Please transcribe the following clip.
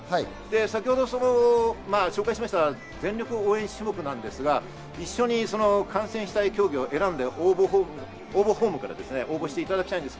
先程紹介した全力応援種目、一緒に観戦したい競技を選んで応募フォームから応募していただきたいんです。